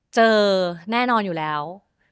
เจอแน่นอนอยู่แล้ว